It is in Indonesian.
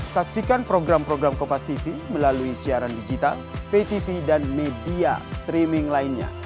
saksikan program program kompastv melalui siaran digital ptv dan media streaming lainnya